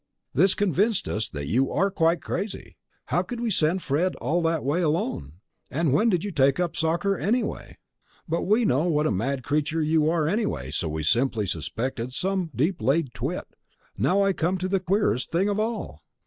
This convinced us that you are quite crazy. How could we send Fred all that way alone! And when did you take up soccer anyway? But we know what a mad creature you are anyway, so we simply suspected some deep laid twit. Now I come to the queerest thing of all!